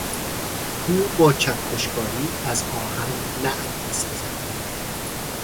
او با چکشکاری از آهن نعل میسازد.